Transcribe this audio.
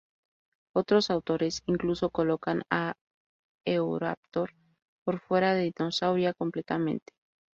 Otros autores incluso colocan a "Eoraptor" por fuera de Dinosauria completamente.